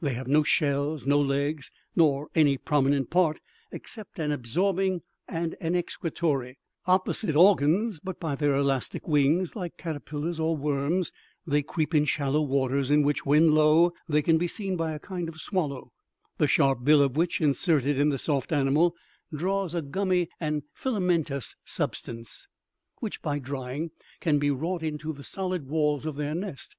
They have no shell, no legs, nor any prominent part, except an absorbing and an excretory, opposite organs; but, by their elastic wings, like caterpillars or worms, they creep in shallow waters, in which, when low, they can be seen by a kind of swallow, the sharp bill of which, inserted in the soft animal, draws a gummy and filamentous substance, which, by drying, can be wrought into the solid walls of their nest.